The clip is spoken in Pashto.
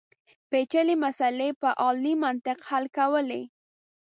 پېچلې مسلې په عالي منطق حل کولې.